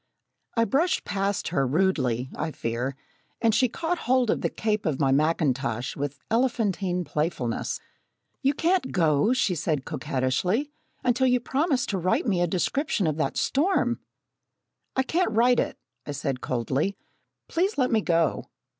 I brushed past her, rudely, I fear, and she caught hold of the cape of my mackintosh with elephantine playfulness. "You can't go," she said coquettishly, "until you promise to write me a description of that storm!" "I can't write it," I said coldly. "Please let me go."